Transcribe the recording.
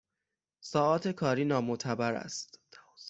ساعات کاری نامعتبر است